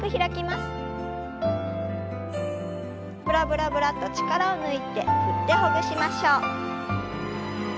ブラブラブラッと力を抜いて振ってほぐしましょう。